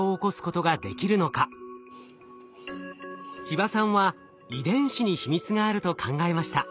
千葉さんは遺伝子に秘密があると考えました。